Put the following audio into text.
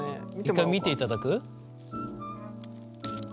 一回見ていただく？